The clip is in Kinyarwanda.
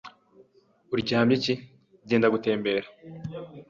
Uryamye iki? Genda gutembera.